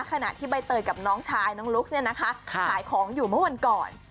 ขณะที่ใบเตยกับน้องชายน้องลุ๊กเนี่ยนะคะขายของอยู่เมื่อวันก่อน